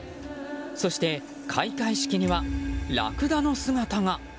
そして、開会式にはラクダの姿が。